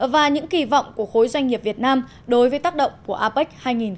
và những kỳ vọng của khối doanh nghiệp việt nam đối với tác động của apec hai nghìn hai mươi